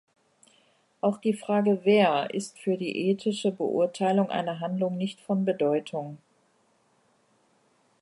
Auch die Frage „wer“ ist für die ethische Beurteilung einer Handlung nicht von Bedeutung.